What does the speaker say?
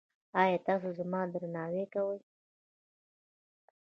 ایا تاسو زما درناوی کوئ؟